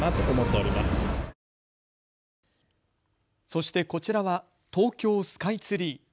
そしてこちらは東京スカイツリー。